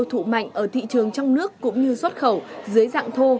quế tiêu thụ mạnh ở thị trường trong nước cũng như xuất khẩu dưới dạng thô